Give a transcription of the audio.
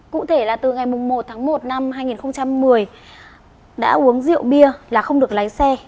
cụ thể là từ ngày một tháng một năm hai nghìn một mươi đã uống rượu bia là không được lái xe